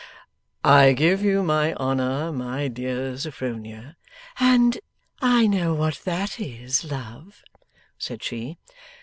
'I give you my honour, my dear Sophronia ' 'And I know what that is, love,' said she.